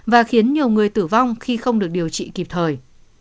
và khiến nhiều người tử vong khi không được điều trị kịp thời